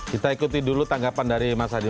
kita ikuti dulu tanggapan dari mas adi